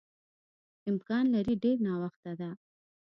امکان لري ډېر ناوخته ده.